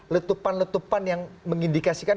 letupan letupan yang mengindikasikan